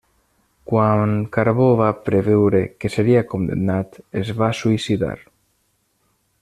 Quan Carbó va preveure que seria condemnat, es va suïcidar.